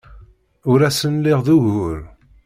Ur asen-lliɣ d ugur.